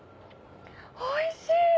おいしい！